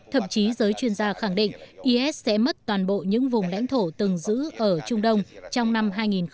thậm chí giới chuyên gia khẳng định is sẽ mất toàn bộ những vùng lãnh thổ từng giữ ở trung đông trong năm hai nghìn một mươi chín